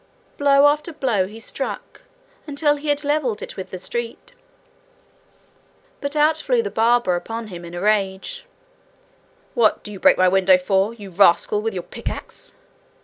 Blow after blow he struck until he had levelled it with the street. But out flew the barber upon him in a rage. 'What do you break my window for, you rascal, with your pickaxe?'